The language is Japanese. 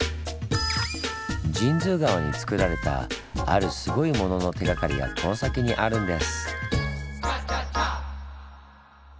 神通川につくられたあるすごいものの手がかりがこの先にあるんです。